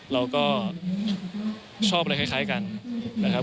เราก็ชอบอะไรคล้ายกันนะครับ